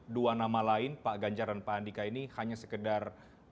dua nama lain pak ganjar dan pak andika ini hanya sekedar